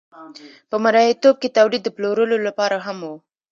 په مرئیتوب کې تولید د پلورلو لپاره هم و.